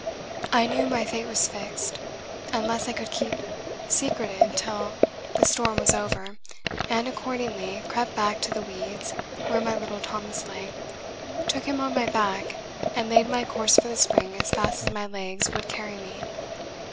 I knew my fate was fixed, unless I could keep secreted till the storm was over, and accordingly crept back to the weeds, where my little Thomas lay, took him on my back, and laid my course for the spring as fast as my legs would carry me.